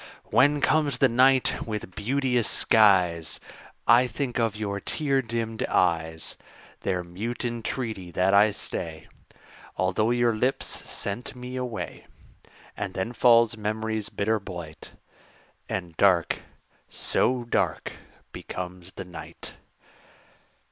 When comes the night with beauteous skies, I think of your tear dimmed eyes, Their mute entreaty that I stay, Although your lips sent me away; And then falls memory's bitter blight, And dark so dark becomes the night.